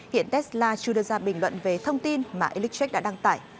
hiện tesla chưa đưa ra bình luận về thông tin mà electric đã đăng tải